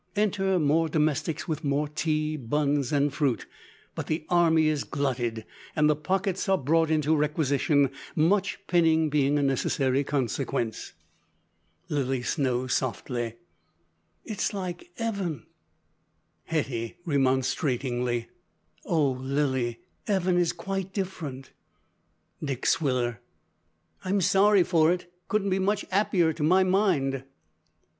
Enter more domestics with more tea, buns, and fruit; but the army is glutted, and the pockets are brought into requisition: much pinning being a necessary consequence. (Lilly Snow, softly.) "It's like 'eaven!" (Hetty, remonstratingly.) "Oh! Lilly, 'eaven is quite different." (Dick Swiller.) "I'm sorry for it. Couldn't be much 'appier to my mind."